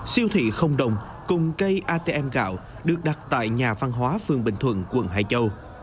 siêu thị không đồng cùng cây atm gạo được đặt tại nhà văn hóa phường bình thuận quận hải châu